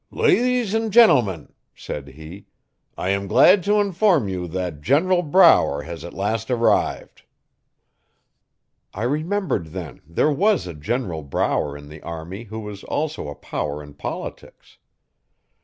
'Lathes and gentlemen,' said he, 'I am glad to inform you that General Brower has at last arrived. I remembered then there was a General Brower in the army who was also a power in politics.